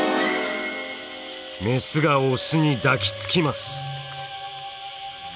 メスがオスに抱きつきます！